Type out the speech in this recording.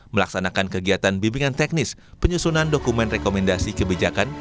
melaksanakan kegiatan bimbingan teknis penyusunan dokumen rekomendasi kebijakan